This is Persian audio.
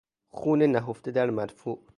خون نهفته در مدفوع